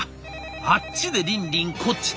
あっちでリンリンこっちでワーワー。